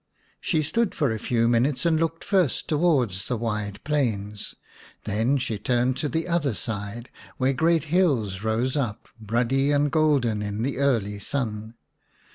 She stood for a few minutes and looked first towards the wide plains. Then she turned to the other side, where great hills rose up, ruddy and golden in the early sun.